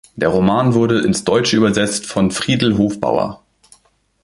Der Roman wurde ins Deutsche übersetzt von Friedl Hofbauer.